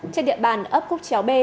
trên địa bàn ấp cúc chéo b